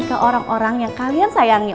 ke orang orang yang kalian sayangi